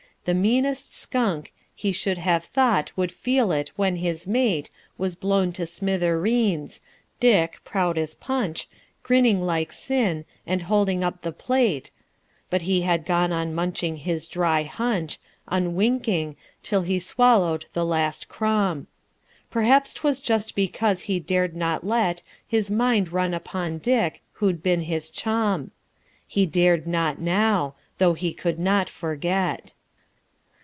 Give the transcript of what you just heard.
The meanest skunk He should have thought would feel it when his mate Was blown to smithereens Dick, proud as punch, Grinning like sin, and holding up the plate But he had gone on munching his dry hunch, Unwinking, till he swallowed the last crumb. Perhaps 't was just because he dared not let His mind run upon Dick, who'd been his chum. He dared not now, though he could not forget.